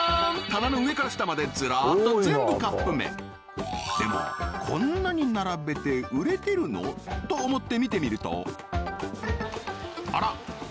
棚の上から下までずらっと全部カップ麺でもこんなに並べて売れてるの？と思って見てみるとあら！